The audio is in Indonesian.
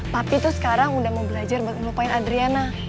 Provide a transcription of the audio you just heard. papi tuh sekarang udah mau belajar buat ngelupain adriana